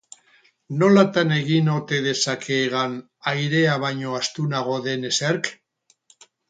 Nolatan egin ote dezake hegan airea baino astunago den ezerk?